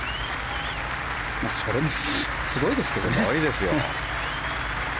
それもすごいですけどね。